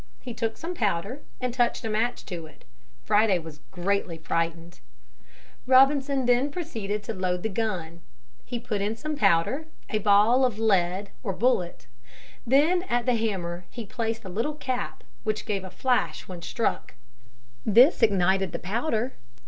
He took some powder and touched a match to it. Friday was greatly frightened. [Illustration: ROBINSON SHOWING FRIDAY HOW TO SHOOT] Robinson then proceeded to load the gun. He put in some powder, a ball of lead or bullet. Then at the hammer he placed a little cap which gave a flash when struck. This ignited the powder.